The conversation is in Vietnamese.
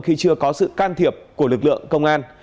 khi chưa có sự can thiệp của lực lượng công an